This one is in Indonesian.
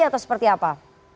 atau seperti apa